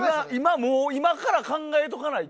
もう今から考えとかないと。